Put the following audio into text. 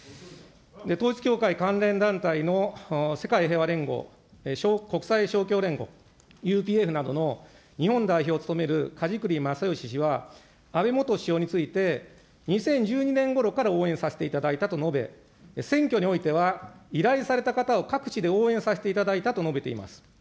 統一教会関連団体の世界平和連合、国際勝共連合、ＵＰＦなどの日本代表を務めるかじくりまさよし氏は、安倍元首相について、２０１２年ごろから応援させていただいたと述べ、選挙においては依頼された方を各地で応援させていただいたと述べています。